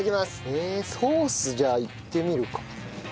えソースじゃあいってみるか。